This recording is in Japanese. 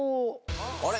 あれ？